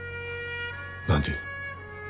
何て？